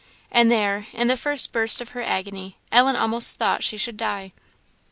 And there, in the first burst of her agony, Ellen almost thought she should die.